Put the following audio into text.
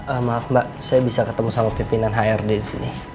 ehm maaf mbak saya bisa ketemu sama pimpinan hrd disini